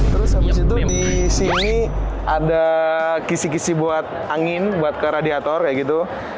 terus habis itu di sini ada kisi kisi buat angin buat ke radiator kayak gitu